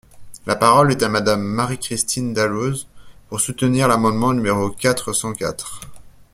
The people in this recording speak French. La parole est à Madame Marie-Christine Dalloz, pour soutenir l’amendement numéro quatre cent quatre.